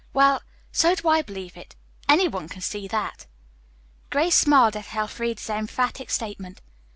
"Well, so do I believe it. Any one can see that." Grace smiled at Elfreda's emphatic statement.